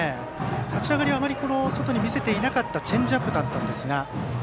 立ち上がりはあまり外に見せていなかったチェンジアップだったんですが。